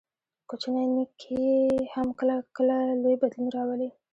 کوچنی نیکي هم کله کله لوی بدلون راولي.